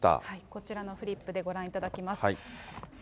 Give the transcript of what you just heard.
こちらのフリップでご覧いただきます。